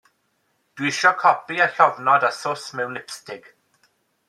Dwi isio copi â llofnod a sws mewn lipstig.